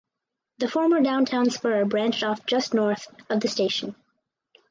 The former downtown spur branched off just north of the station.